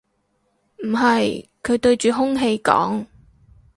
唔係，佢對住空氣講